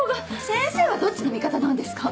先生はどっちの味方なんですか？